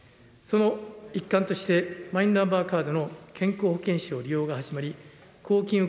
その一環として、マイナンバーカードの健康保険証利用が始まり、公金